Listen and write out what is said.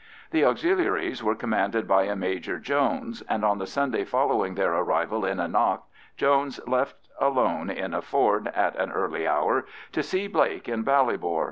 The Auxiliaries were commanded by a Major Jones, and on the Sunday following their arrival in Annagh Jones left alone in a Ford at an early hour to see Blake in Ballybor.